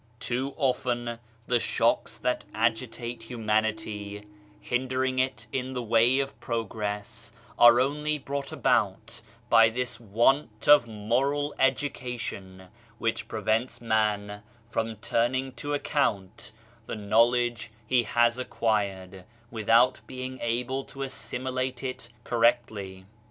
Too often the shocks that agitate humanity, hindering it in the way of progress, are only brought about by this want of moral education which prevents man from turning to account the knowledge he has acquired without being able to assimilate it correctly.